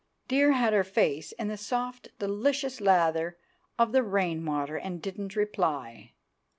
Dear had her face in the soft delicious lather of the rainwater, and didn't reply.